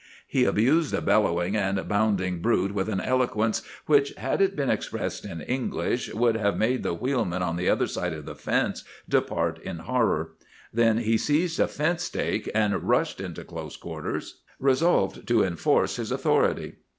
He abused the bellowing and bounding brute with an eloquence which, had it been expressed in English, would have made the wheelmen on the other side of the fence depart in horror. Then he seized a fence stake and rushed into close quarters, resolved to enforce his authority.